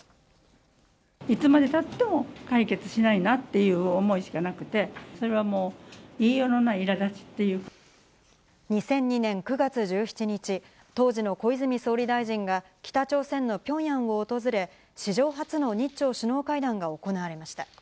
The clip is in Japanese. いつまでたっても解決しないなっていう思いしかなくて、それはもう、２００２年９月１７日、当時の小泉総理大臣が、北朝鮮のピョンヤンを訪れ、史上初の日朝首脳会談が行われました。